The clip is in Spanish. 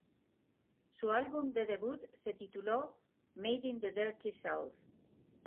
Su álbum de debut se tituló "Made In The Dirty South".